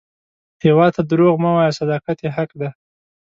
هیواد ته دروغ مه وایه، صداقت یې حق دی